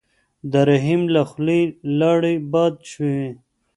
د رحیم له خولې لاړې باد شوې.